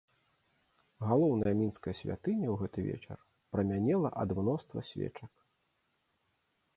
Галоўная мінская святыня ў гэты вечар прамянела ад мноства свечак.